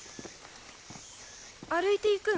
歩いていくん？